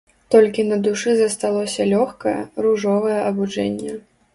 Толькі на душы засталося лёгкае, ружовае абуджэнне.